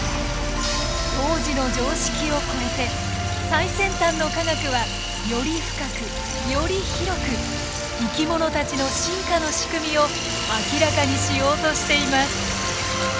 最先端の科学はより深くより広く生き物たちの進化の仕組みを明らかにしようとしています。